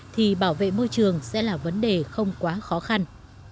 thì bảo vệ môi trường sẽ là vấn đề không quá khó khăn